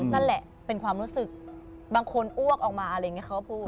นั่นแหละเป็นความรู้สึกบางคนอ้วกออกมาอะไรอย่างนี้เขาก็พูด